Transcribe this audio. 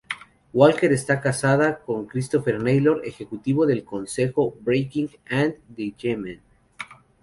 Walker está casada con Christopher Naylor, ejecutivo del Consejo Barking and Dagenham.